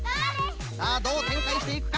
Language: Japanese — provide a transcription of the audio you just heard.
さあどうてんかいしていくか。